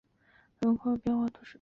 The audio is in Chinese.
米拉杜人口变化图示